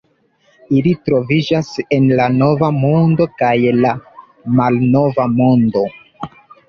Ili troviĝas en la Nova Mondo kaj la Malnova Mondo.